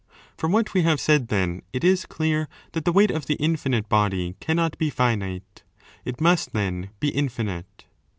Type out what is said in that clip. From what we have said, then, it is clear that the weight of the infinite body cannot be finite. It must then be, infinite.